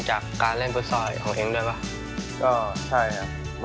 จากการเล่นกุดซอยของเอ๊งเลยปะ